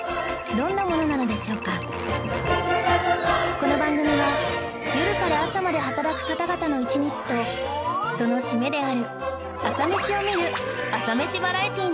この番組は夜から朝まで働く方々の一日とその締めである朝メシを見る朝メシバラエティーなのです